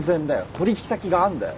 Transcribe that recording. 取引先があるんだよ。